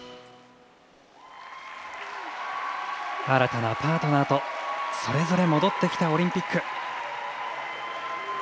新たなパートナーとそれぞれ戻ってきたオリンピック。